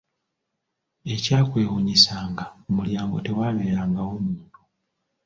Ekyakwewuunyisanga ku mulyango tewaaberangawo muntu.